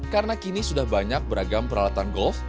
karena kini sudah banyak beragam peralatan golf